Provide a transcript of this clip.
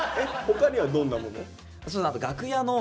他にはどんなもの？